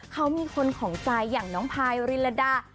เขามีคนของใจอย่างน้องพายริลดา